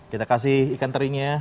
kita kasih ikan terinya